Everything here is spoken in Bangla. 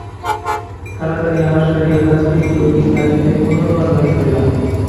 তাড়াতাড়ি আহার সারিয়া কাছারির রোগীর তাগিদে পুনর্বার বাহির হইলাম।